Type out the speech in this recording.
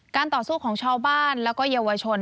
ต่อสู้ของชาวบ้านแล้วก็เยาวชน